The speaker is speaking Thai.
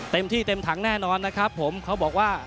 เต็มที่เต็มถังแน่นอนนะครับผมเขาบอกว่า